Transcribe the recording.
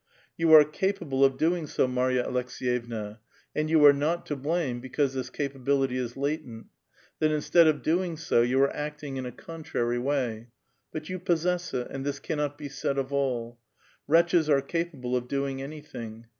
You are capable 150 A VITAL QUESTION. of doing so, Marya Aleks^jevna, and you are not to blame because this capability is latent ; that instead of doing so, you arc acting in a contrary way ; but you possess it, and this cannot be said of all. Wretches are capable of doing anything.